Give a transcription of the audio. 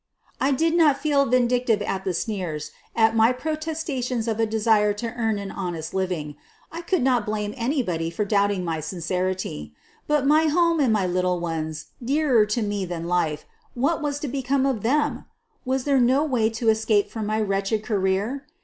I did not feel vindictive at the sneers at ray prot estations of a desire to earn an honest living — L could not blame anybody for doubting my sincerity. But my home and my little ones, dearer to me than life, what was to become of them? Was there no way to escape from my wretched career?